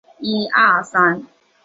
也称作镰仓八幡宫。